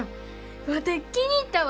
ワテ気に入ったわ！